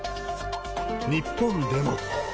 日本でも。